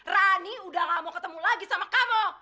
rani udah gak mau ketemu lagi sama kamu